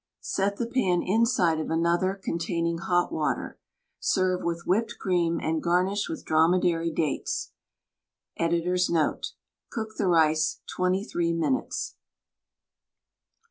Set the pan inside of another containing hot water. Serve with whipped cream and garnish with Dromedary dates. Editor's Note: — Cook the rice twenty three minutes.